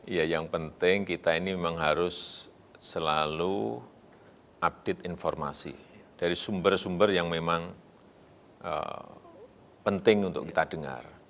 ya yang penting kita ini memang harus selalu update informasi dari sumber sumber yang memang penting untuk kita dengar